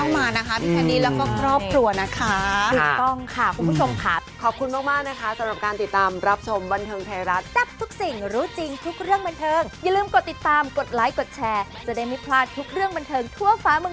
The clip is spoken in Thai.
มันหมายความว่าเป็นขวดที่หมายถึงเศร้าหลักของบ้าน